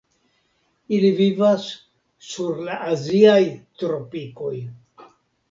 Ili vivas sur la aziaj tropikoj.